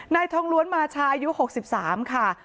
นายทองล้วนมาชายอายุ๖๓ค่ะ